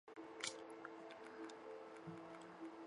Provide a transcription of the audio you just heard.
国家评论协会将其列入年度十佳独立电影之中。